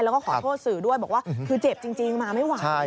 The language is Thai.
แล้วก็ขอโทษสื่อด้วยบอกว่าคือเจ็บจริงมาไม่ไหว